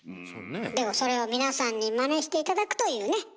でもそれを皆さんにまねして頂くというね。